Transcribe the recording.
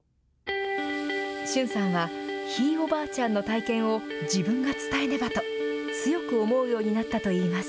駿さんはひいおばあちゃんの体験を自分が伝えねばと強く思うようになったと言います。